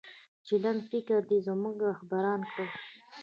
چې لنډفکره دې زموږه رهبران کړل